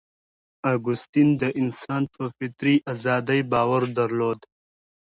اګوستین د انسان په فطري ازادۍ باور درلود.